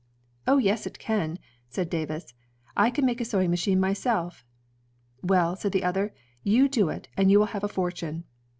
"Oh, yes, it can," said Davis. "I can make a sewing machine myself." "Well," said the other, "you do it, and you will have a fortune."